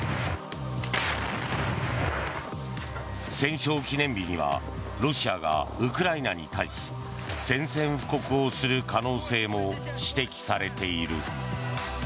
戦勝記念日にはロシアがウクライナに対し宣戦布告をする可能性も指摘されている。